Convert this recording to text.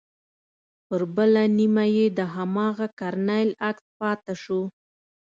پر بله نيمه يې د هماغه کرنيل عکس پاته سو.